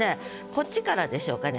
こっちからでしょうかね。